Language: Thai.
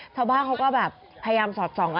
เถ้าบ้านเขาก็แบบพยายามสอดส่องนะ